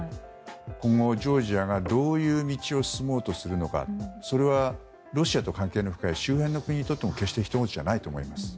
今後ジョージアがどういう道を進もうとするのかそれはロシアと関係ない周辺の国にとっても決してひとごとじゃないと思います。